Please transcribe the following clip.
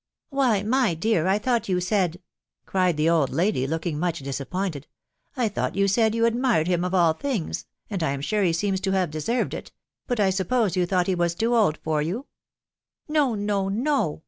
" Why, my dear, I thought you said," ..•. cried the old lady, looking much disappointed, .... ce I thought you said you admired him of all things, and I am sure he seems to have deserved it ; but I suppose you thought he was too old for you3 tc No ! no ! no